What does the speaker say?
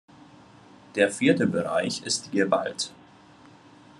Der vierte Bereich ist die Gewalt.